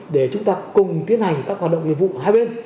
để chúng ta cùng tiến hành các hoạt động nghiệp vụ hai bên